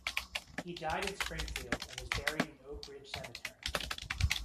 He died in Springfield and is buried in Oak Ridge Cemetery.